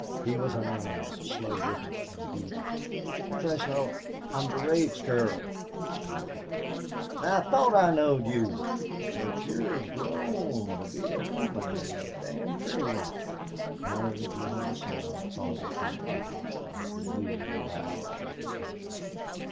He was an animal, slow witted and brutal. "Fresno, I am Durade's girl!" she went on. "I thought I knowed you. But you're grown to be a woman an' a dam' pretty one." Allie drew him aside, farther from the others, who had renewed a loud altercation.